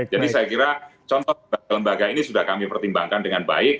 jadi saya kira contoh lembaga ini sudah kami pertimbangkan dengan baik